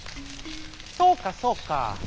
「そうかそうか。